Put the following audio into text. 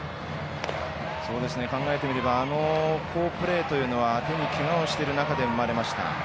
そうですね考えてみればあの好プレーというのは手にけがをしてる中で生まれました。